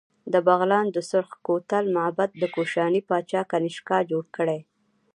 د بغلان د سورخ کوتل معبد د کوشاني پاچا کنیشکا جوړ کړی